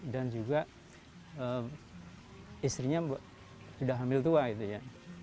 dan juga istrinya sudah hamil tua gitu ya